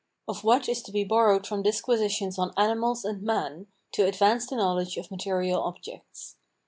Of what is to be borrowed from disquisitions on animals and man to advance the knowledge of material objects.